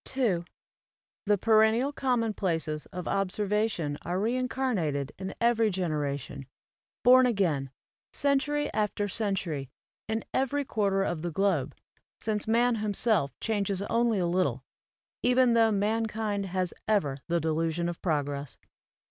104 AMERICAN APHORISMS THE perennial commonplaces of observation are reincarnated in every generation, born again, century after century in every quarter of the globe, since man himself changes only a little, even tho mankind has ever the delu sion of progress.